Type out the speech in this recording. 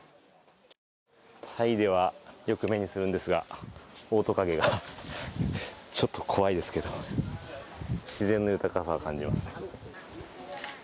タイではよく目にするんですが、オオトカゲが、ちょっと怖いですけど自然の豊かさを感じます。